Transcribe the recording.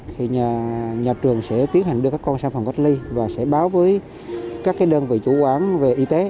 thì nhà trường sẽ tiến hành đưa các con sang phòng cách ly và sẽ báo với các đơn vị chủ quán về y tế